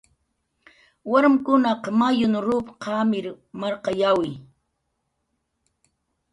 warmkunaq mayun rup qamir marqayawi